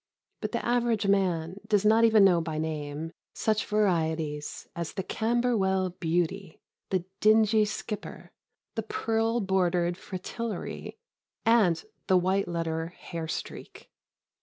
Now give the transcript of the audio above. But the average man does not even know by name such varieties as the Camberwell Beauty, the Dingy Skipper, the Pearl bordered Fritillary, and the White letter Hairstreak.